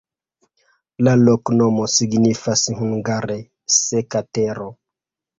La loknomo signifas hungare: seka-tero.